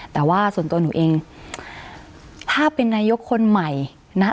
แต่ว่าส่วนตัวหนูเองถ้าเป็นนายกคนใหม่นะ